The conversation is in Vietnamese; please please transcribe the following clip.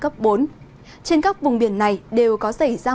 trên các vùng biển này đều có